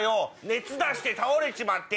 熱出して倒れちまって。